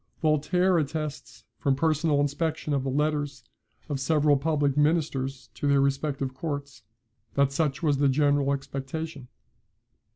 [Voltaire attests, from personal inspection of the letters of several public ministers to their respective courts, that such was the general expectation.